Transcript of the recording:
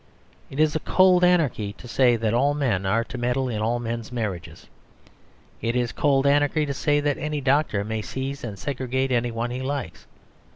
It is cold anarchy to say that all men are to meddle in all men's marriages. It is cold anarchy to say that any doctor may seize and segregate anyone he likes.